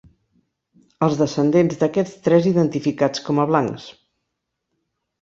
Els descendents d'aquests tres identificats com a blancs.